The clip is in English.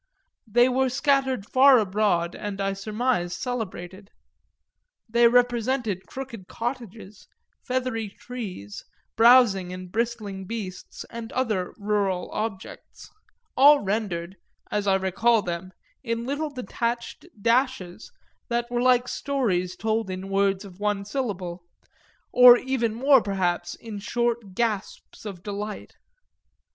They were scattered far abroad and I surmise celebrated; they represented crooked cottages, feathery trees, browsing and bristling beasts and other rural objects; all rendered, as I recall them, in little detached dashes that were like stories told in words of one syllable, or even more perhaps in short gasps of delight.